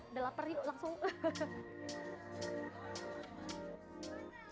udah lapar yuk langsung